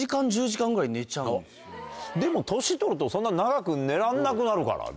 でも年取るとそんな長く寝らんなくなるからね。